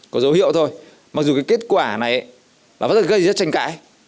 có dấu hiệu thôi mặc dù cái kết quả này là rất là gây rất tranh cãi